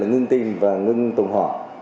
ngưng tim và ngưng tuần hồng